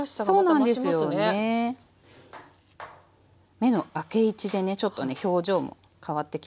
目の開け位置でねちょっとね表情も変わってきますよね。